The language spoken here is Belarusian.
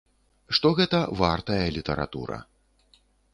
Што гэта вартая літаратура.